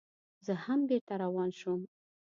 زه هم بېرته روان شوم.